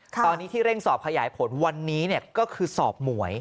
ตอนนี้ที่เร่งสอบขยายผลวันนี้ก็คือสอบหมวย